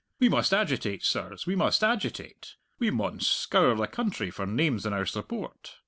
We must agitate, sirs, we must agitate; we maun scour the country for names in our support.